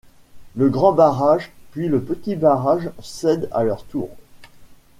Le Grand barrage, puis le Petit barrage cèdent à leur tour.